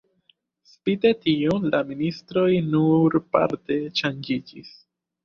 Spite tion la ministroj nur parte ŝanĝiĝis.